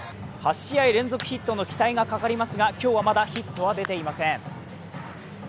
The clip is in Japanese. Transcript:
８試合連続ヒットの期待がかかりますが、今日はまだヒットは出ていません。